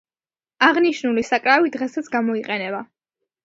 აღნიშნული საკრავი დღესაც გამოიყენება.